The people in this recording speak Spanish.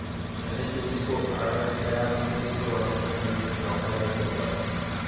En este disco Haggard crea un estilo barroco muy bien trabajado y acertado.